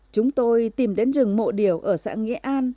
chúng tôi tìm đến rừng mộ điều ở xã nghĩa an